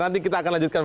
nanti kita akan lanjutkan